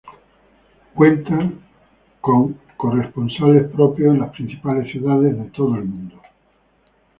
Cuenta con corresponsales propios en las principales ciudades de todo el mundo.